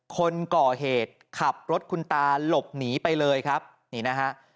คนก่อเหตุขับรถคุณตาหลบหนีไปเลยครับนี่นะฮะ